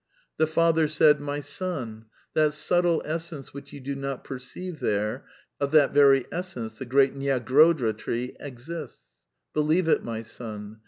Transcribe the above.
* ^'The father said: 'My Bon, that subtle essence which you do not perceive there, of that very essence the great Nyagrodha tree exists. ''' Believe it, my son.